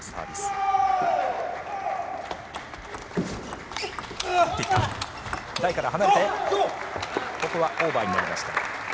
ここはオーバーになりました。